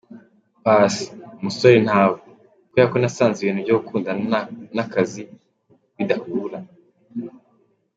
Paccy: Umusore ntawe! Kubera ko nasanze ibintu byo gukundana n’akazi bidahura.